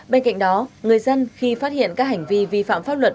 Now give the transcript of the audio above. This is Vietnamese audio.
bên cạnh đó người dân khi phát hiện các hành vi vi phạm pháp luật